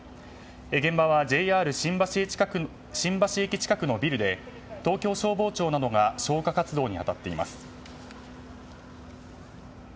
現場はＪＲ新橋駅近くのビルで東京消防庁などが消火活動に当たっています。